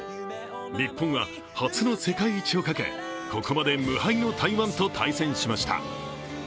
日本は初の世界一をかけ、ここまで無敗の台湾と対戦しました。